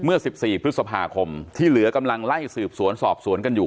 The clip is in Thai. เมื่อ๑๔พฤษภาคมที่เหลือกำลังไล่สืบสวนสอบสวนกันอยู่